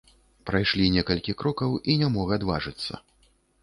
Прайшлі некалькі крокаў, і не мог адважыцца.